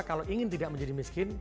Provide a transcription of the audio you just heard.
kalau ingin tidak menjadi miskin